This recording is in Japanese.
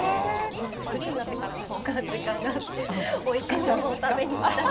なのでフリーになってからの方が時間があっておいしいものを食べに行ったり。